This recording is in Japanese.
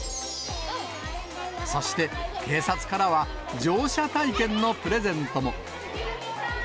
そして警察からは、乗車体験のプレゼントも。